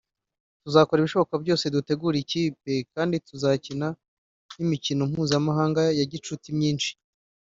tuzakora ibishoboka byose dutegure ikipe kandi tuzakina n’imikino mpuzamahanga ya gicuti myinshi